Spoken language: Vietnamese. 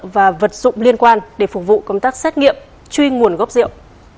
và vật dụng liên quan để phục vụ công tác xét nghiệm truy nguồn gốc rượu